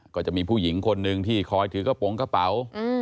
ก็จะมีผู้หญิงคนหนึ่งที่คอยถือกระโปรงกระเป๋า